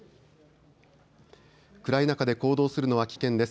暗い中で行動するのは危険です。